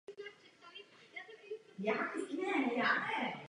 Jde o jedinou nábožensky orientovanou židovskou vesnici v tomto regionu.